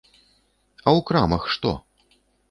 А ў крамах што?